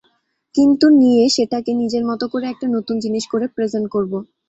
কিন্তু নিয়ে সেটাকে নিজের মতো করে একটা নতুন জিনিস করে প্রেজেন্ট করব।